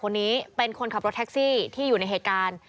คนนี้เป็นคนขับรถแท็กซี่ที่อยู่ในเหตุการณ์